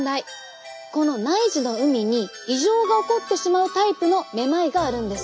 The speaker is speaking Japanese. この内耳の海に異常が起こってしまうタイプのめまいがあるんです。